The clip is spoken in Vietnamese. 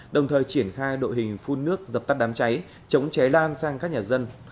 đồng thời triển khai đội hình phun nước dập tắt đám cháy chống cháy lan sang các nhà dân